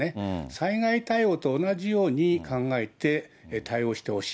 災害対応と同じように考えて対応してほしい。